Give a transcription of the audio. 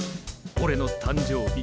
俺の誕生日。